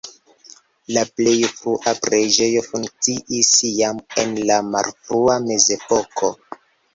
La plej frua preĝejo funkciis jam en la malfrua mezepoko.